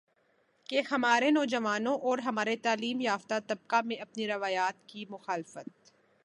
کہ ہمارے نوجوانوں اور ہمارے تعلیم یافتہ طبقہ میں اپنی روایات کی مخالفت